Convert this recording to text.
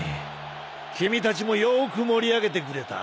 君たちもよーく盛り上げてくれた。